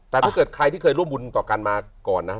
แต่ถ้าเกิดใครที่เคยร่วมบุญต่อกันมาก่อนนะ